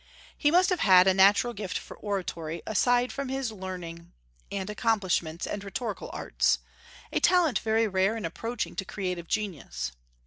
He must have had a natural gift for oratory, aside from his learning and accomplishments and rhetorical arts, a talent very rare and approaching to creative genius.